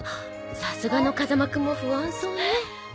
さすがの風間くんも不安そうね。